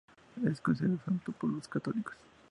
Es considerado santo por los católicos.